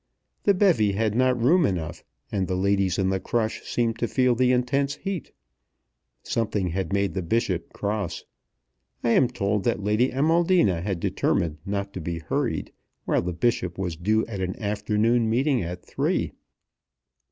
The bevy had not room enough, and the ladies in the crush seemed to feel the intense heat. Something had made the Bishop cross. I am told that Lady Amaldina had determined not to be hurried, while the Bishop was due at an afternoon meeting at three.